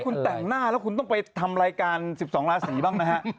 คุณแต่งหน้าแล้วคุณต้องไปทำรายการ๑๒ราศีบ้างนะฮะ